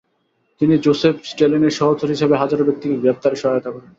তিনি যোসেফ স্ট্যালিনের সহচর হিসেবে হাজারো ব্যক্তিকে গ্রেফতারে সহায়তা করেন।